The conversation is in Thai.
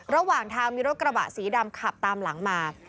ระหว่างทางมีรถกระบะสีดำขับตามหลังมา